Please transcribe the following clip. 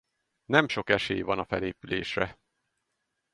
Nem sok esély van a felépülésre.